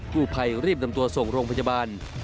ผู้ภัยรีบนำตัวส่งโรงพยาบาล